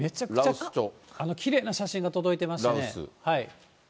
きれいな写真が届いてまして。